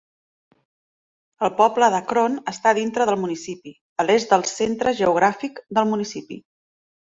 El poble d"Akron està dintre del municipi, a l"est del centre geogràfic del municipi.